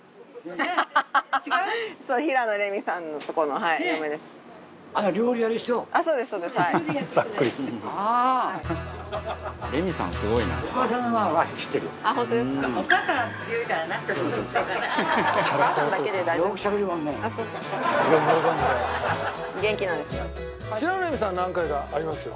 長嶋：平野レミさん何回か、ありますよ。